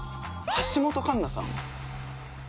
橋本環奈さん